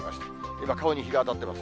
今、顔に日が当たってます。